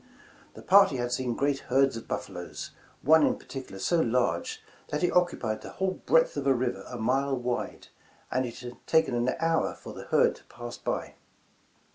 The party had seen great herds of buffaloes, one in particular so large that it occupied the whole breadth of a river a mile wide, and it had taken an hour for the herd to pass by.